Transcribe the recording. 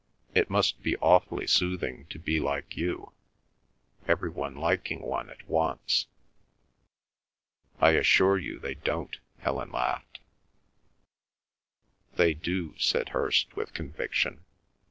It must be awfully soothing to be like you—every one liking one at once." "I assure you they don't," Helen laughed. "They do," said Hirst with conviction.